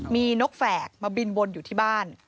มีนกแฝกมาบินวนอยู่ที่บ้าน